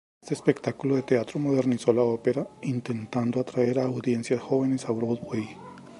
Este espectáculo de teatro modernizó la ópera, intentando atraer a audiencias jóvenes a Broadway.